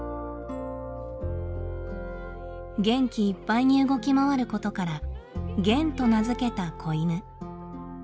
元気いっぱいに動き回ることから「ゲン」と名付けた子犬。